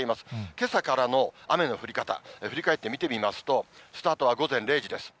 けさからの雨の降り方、振り返って見てみますと、スタートは午前０時です。